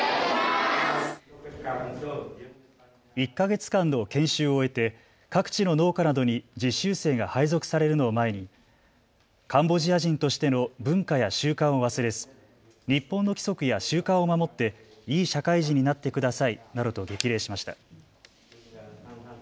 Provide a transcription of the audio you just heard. １か月間の研修を終えて各地の農家などに実習生が配属されるのを前にカンボジア人としての文化や習慣を忘れず日本の規則や習慣を守っていい社会人になってくださいなどと激励しました。